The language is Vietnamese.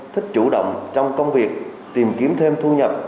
thích chủ động trong công việc tìm kiếm thêm thu nhập